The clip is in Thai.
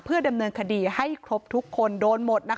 ดำเนินคดีให้ครบทุกคนโดนหมดนะคะ